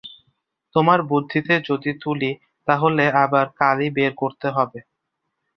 তোমার বুদ্ধিতে যদি তুলি, তা হলে আবার কালই বের করতে হবে।